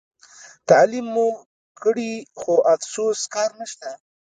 تعلیم مو کړي خو افسوس کار نشته.